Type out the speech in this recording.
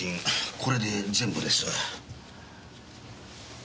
これで全部です。